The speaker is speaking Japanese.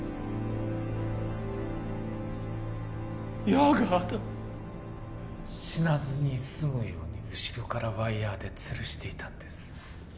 自分のうんっ死なずに済むように後ろからワイヤーでつるしていたんです